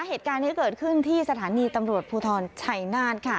เหตุการณ์นี้เกิดขึ้นที่สถานีตำรวจภูทรชัยนาธค่ะ